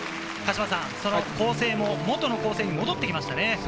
その構成も元の構成に戻ってきましたね。